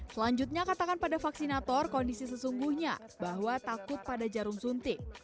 selanjutnya katakan pada vaksinator kondisi sesungguhnya bahwa takut pada jarum suntik